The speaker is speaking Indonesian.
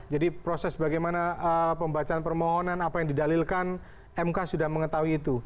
jadi proses bagaimana pembacaan permohonan apa yang didalilkan mk sudah mengetahui itu